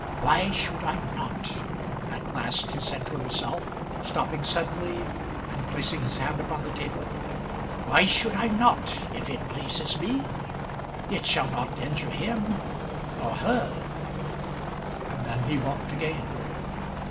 "Why should I not?" at last he said to himself, stopping suddenly and placing his hand upon the table. "Why should I not, if it pleases me? It shall not injure him nor her." And then he walked again.